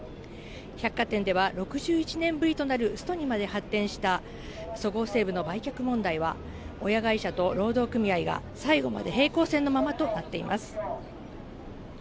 百貨店では６１年ぶりとなるストにまで発展したそごう・西武の売却問題は、親会社と労働組合が最後まで平行線のままとなっています。